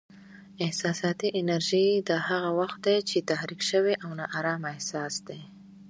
احساساتي انرژي: دا هغه وخت دی چې تحریک شوی او نا ارامه احساس دی.